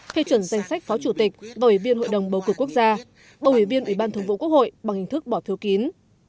phê chuẩn danh sách phó chủ tịch và ủy viên hội đồng bầu cử quốc gia bầu ủy viên ủy ban thường vụ quốc hội bằng hình thức bỏ phiếu kín